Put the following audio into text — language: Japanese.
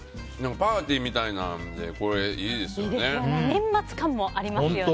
パーティーみたいなのでこれ、いいですよね。